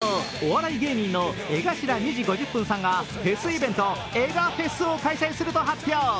昨日、お笑い芸人の江頭２：５０さんがフェスイベント、エガフェスを開催すると発表。